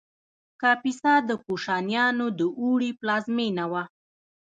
کاپیسا د کوشانیانو د اوړي پلازمینه وه